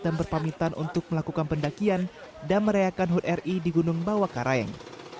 dan berpamitan untuk melakukan pendakian dan merayakan hud ri di gunung bawah karayeng